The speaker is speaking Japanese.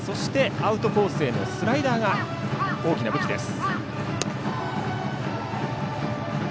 アウトコースのスライダーも大きな武器です。